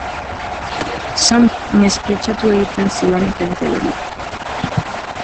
Sandrak mespretxatu egiten zuen tentel hori.